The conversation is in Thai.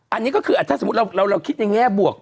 อันนี้ก็คือถ้าสมมุติเราคิดในแง่บวก